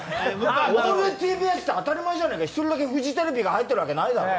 オールＴＢＳって、当たり前じゃねえか、１人だけフジテレビが入ってるわけないだろう？